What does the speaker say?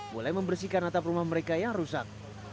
mulai membersihkan atap rumah mereka yang rusak